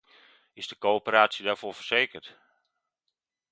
Is de coöperatie daar voor verzekerd?